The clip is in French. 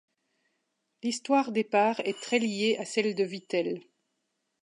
L'histoire d'Hépar est très liée à celle de Vittel.